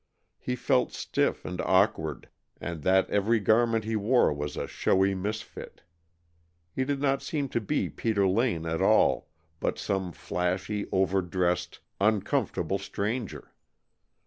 He felt stiff and awkward, and that every garment he wore was a showy misfit. He did not seem to be Peter Lane at all, but some flashy, overdressed, uncomfortable stranger.